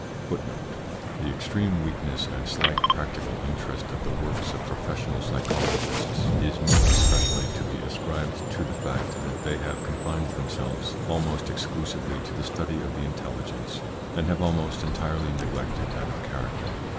1 1 The extreme weakness and slight practical interest of the works of professional psychologists is more especially to be ascribed to the fact that they have confined themselves almost exclusively to the study of the intelligence, and have almost entirely neglected that of charucter.